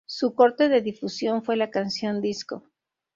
Su corte de difusión fue la canción "Disco".